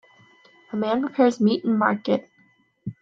A man prepares meat in market